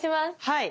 はい。